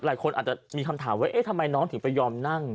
หลายคนอาจจะมีคำถามว่าเอ๊ะทำไมน้องถึงไปยอมนั่ง